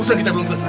ujian diantusin saya